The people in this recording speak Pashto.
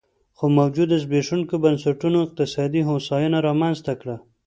خو موجوده زبېښونکو بنسټونو اقتصادي هوساینه رامنځته کړه